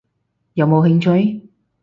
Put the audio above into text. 有冇興趣？